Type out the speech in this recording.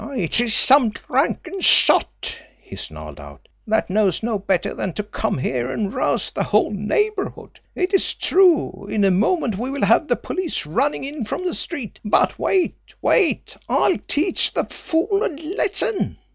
"It is some drunken sot," he snarled out, "that knows no better than to come here and rouse the whole neighbourhood! It is true, in a moment we will have the police running in from the street. But wait wait I'll teach the fool a lesson!"